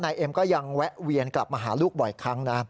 เอ็มก็ยังแวะเวียนกลับมาหาลูกบ่อยครั้งนะ